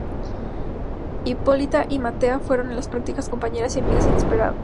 Hipólita y Matea fueron en la prácticas compañeras y amigas inseparables.